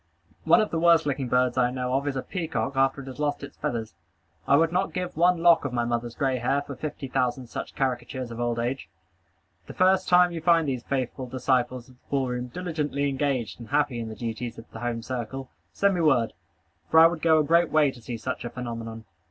One of the worst looking birds I know of is a peacock after it has lost its feathers. I would not give one lock of my mother's gray hair for fifty thousand such caricatures of old age. The first time you find these faithful disciples of the ball room diligently engaged and happy in the duties of the home circle, send me word, for I would go a great way to see such a phenomenon.